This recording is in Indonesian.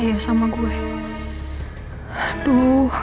isu apa sih ini